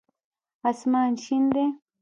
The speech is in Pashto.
آسمان شين دی.